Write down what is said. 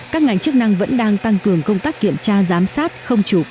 các ngành chức năng vẫn đang tăng cường công tác kiểm tra giám sát không chủ quan nơi là